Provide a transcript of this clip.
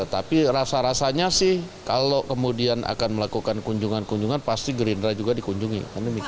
tapi rasa rasanya sih kalau kemudian akan melakukan kunjungan kunjungan pasti gerindra juga dikunjungi